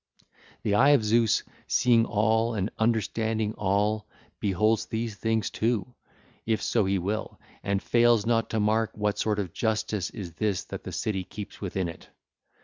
(ll. 267 273) The eye of Zeus, seeing all and understanding all, beholds these things too, if so he will, and fails not to mark what sort of justice is this that the city keeps within it.